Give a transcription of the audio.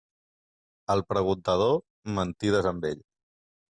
Al preguntador, mentides amb ell.